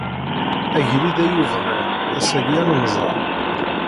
Agellid ay ubdir ass-agi ad nemẓer.